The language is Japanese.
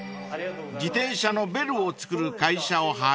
［自転車のベルを作る会社を発見］